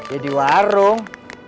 ya di warung